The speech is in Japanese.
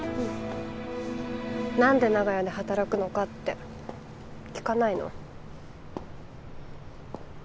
なんで長屋で働くのかって聞かないの？